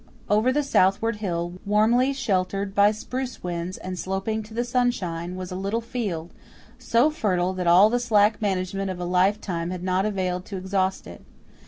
Over the southward hill, warmly sheltered by spruce woods and sloping to the sunshine, was a little field, so fertile that all the slack management of a life time had not availed to exhaust it.